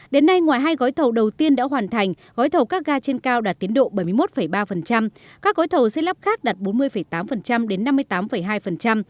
đến nay ngoài hai gói thầu đầu tiên đã hoàn thành gói thầu các ga trên cao đạt tiến độ bảy mươi một ba các gói thầu xây lắp khác đạt bốn mươi tám đến năm mươi tám hai